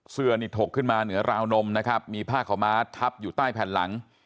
เสื้อนี่ถกขึ้นมาเหนือราวนมนะครับมีผ้าขาวม้าทับอยู่ใต้แผ่นหลัง